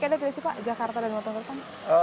ada tidak sih pak jakarta dalam lima tahun ke depan